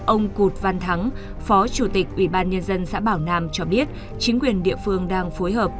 ông cụt văn thắng phó chủ tịch ủy ban nhân dân xã bảo nam cho biết chính quyền địa phương đang phối hợp